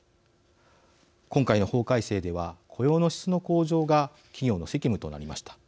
今回の法改正では雇用の質の向上が企業の責務となりました。